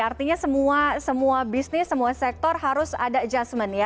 artinya semua bisnis semua sektor harus ada adjustment ya